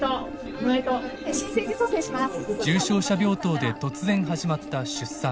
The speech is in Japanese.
重症者病棟で突然始まった出産。